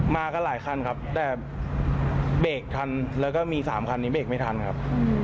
มากันหลายคันครับแต่เบรกทันแล้วก็มี๓คันนี้เบรกไม่ทันครับ